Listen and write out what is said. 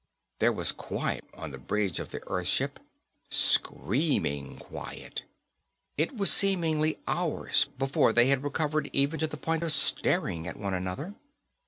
_ There was quiet on the bridge of the earth ship. Screaming quiet. It was seemingly hours before they had recovered even to the point of staring at one another.